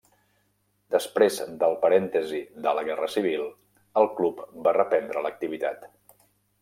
Després del parèntesi de la Guerra Civil el club va reprendre l'activitat.